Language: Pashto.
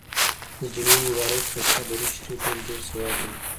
د جمعې مبارڪي په شپه درود شریف ویل ډیر ثواب لري.